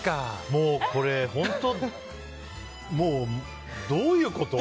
もうこれ、本当どういうこと？